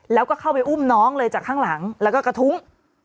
แล้วก็เข้าไปอุ้มน้องเลยจากข้างหลังแล้วก็กระทุ้ง